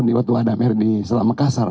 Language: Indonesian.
di waktu ada mir di selama kasar